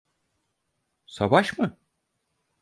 Savaş mı?